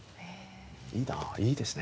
いいなあいいですね。